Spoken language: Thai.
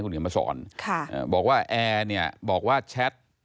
คุณเขียนมาสอนบอกว่าแอร์เนี่ยบอกว่าแชท